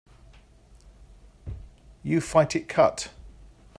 You fight it cut.